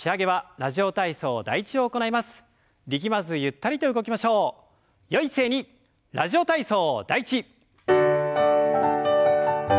「ラジオ体操第１」。